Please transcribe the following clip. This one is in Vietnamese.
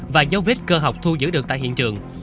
và dấu vết cơ học thu giữ được tại hiện trường